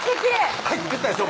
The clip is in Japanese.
「はい」って言ったでしょ